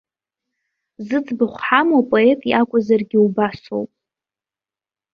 Зыӡбахә ҳамоу апоет иакәзаргьы убасоуп.